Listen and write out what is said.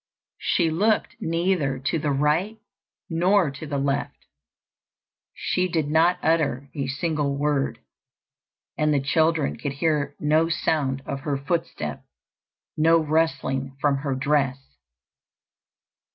She looked neither to the right nor to the left. She did not utter a single word; and the children could hear no sound of her footstep, no rustling from her dress.